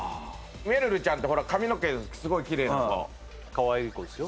めるるちゃんってほら髪の毛すごいキレイな子かわいい子ですよ